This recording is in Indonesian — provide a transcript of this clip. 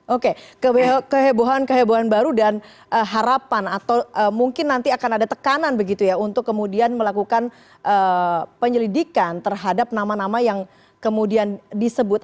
oke kehebohan kehebohan baru dan harapan atau mungkin nanti akan ada tekanan begitu ya untuk kemudian melakukan penyelidikan terhadap nama nama yang kemudian disebut